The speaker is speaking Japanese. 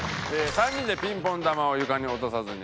３人でピンポン玉を床に落とさずにラリー。